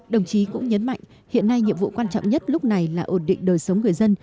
đồng chí cũng nhấn mạnh hiện nay nhiệm vụ quan trọng nhất lúc này là ổn định đời sống người dân